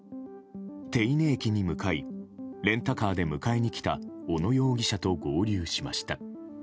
手稲駅に向かいレンタカーで迎えに来た小野容疑者と合流しました。